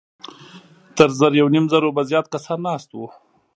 تر زر يونيم زرو به زيات کسان ناست وو.